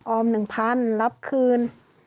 ออม๑๐๐๐รับคืน๑๙๓๐